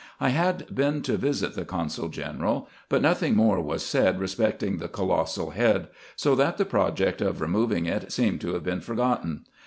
I had been to visit the consul general, but nothing more was said re specting the colossal head; so that the project of removing it seemed to have been forgotten.